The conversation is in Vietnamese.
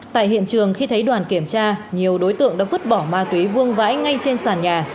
tại hiện trường khi thấy đoàn kiểm tra nhiều đối tượng đã vứt bỏ ma túy vương vãi ngay trên sàn nhà